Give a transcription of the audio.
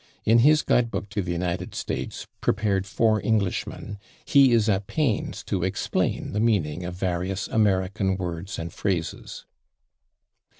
In his guide book to the United States, prepared for Englishmen, he is at pains to explain the meaning of various American words and phrases.